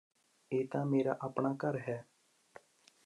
ਇਹ ਤਾਂ ਮੇਰਾ ਆਪਣਾ ਘਰ ਹੈ